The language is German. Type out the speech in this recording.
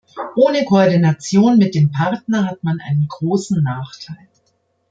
Ohne Koordination mit dem Partner hat man einen großen Nachteil.